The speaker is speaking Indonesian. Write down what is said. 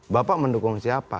bapak mendukung siapa